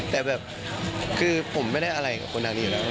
แต่แบบคือผมไม่ได้อะไรกับคนทางนี้อยู่แล้ว